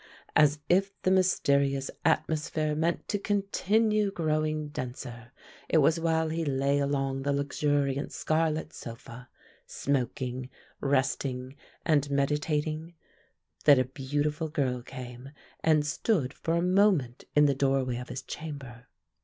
As if the mysterious atmosphere meant to continue growing denser, it was while he lay along the luxuriant scarlet sofa, smoking, resting, and meditating, that a beautiful girl came and stood for a moment in the doorway of his chamber.